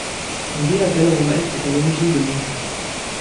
Une villa gallo-romaine est à l'origine de Lonchat.